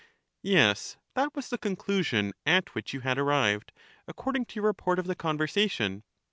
Yes ; that was the conclusion at which you had arrived, according to your report of the conversation.